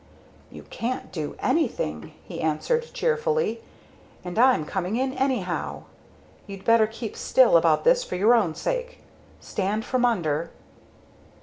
"You can't do anything," he answered cheerfully. "And I'm coming in anyhow. You'd better keep still about this for your own sake. Stand from under!"